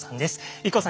ＩＫＫＯさん